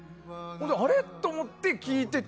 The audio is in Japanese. あれ？と思って聴いてて。